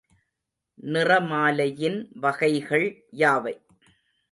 நிறமாலையின் வகைகள் யாவை?